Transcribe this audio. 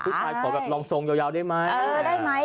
ผู้ชายขอแบบลองทรงยาวได้ไหม